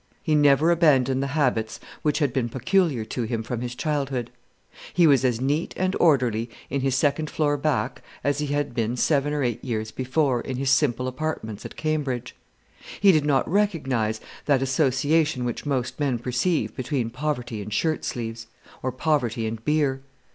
He never abandoned the habits which had been peculiar to him from his childhood. He was as neat and orderly in his second floor back as he had been seven or eight years before in his simple apartments at Cambridge. He did not recognise that association which most men perceive between poverty and shirt sleeves, or poverty and beer.